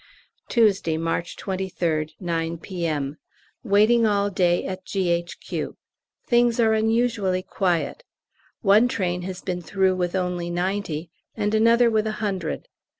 Tuesday, March 23rd, 9 P.M. Waiting all day at G.H.Q.; things are unusually quiet; one train has been through with only ninety, and another with a hundred.